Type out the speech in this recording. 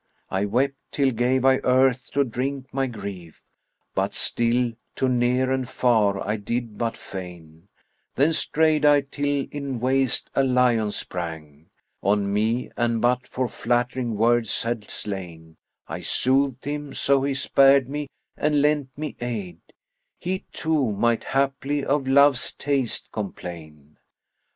I wept, till gave I earth to drink my grief; * But still to near and far[FN#49] I did but feign: Then strayed I till in waste a lion sprang * On me, and but for flattering words had slain: I soothed him: so he spared me and lent me aid, * He too might haply of love's taste complain.